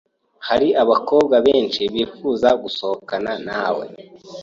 hari abakobwa benshi bifuza gusohokana nawe.